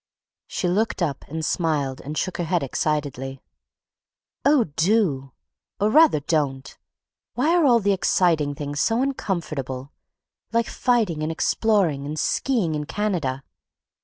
She looked up and smiled and shook her head excitedly. "Oh, do!—or rather, don't! Why are all the exciting things so uncomfortable, like fighting and exploring and ski ing in Canada?